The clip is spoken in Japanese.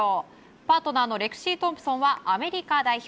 パートナーのレクシー・トンプソンはアメリカ代表。